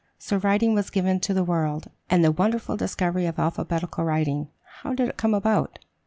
So writing was given to the world. And the wonderful discovery of alphabetical writing, how did it come about?